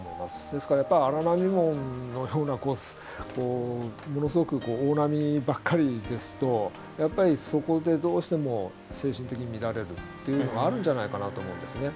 ですからやっぱり荒波紋のようなこうものすごく大波ばっかりですとやっぱりそこでどうしても精神的に乱れるっていうのがあるんじゃないかなと思うんですね。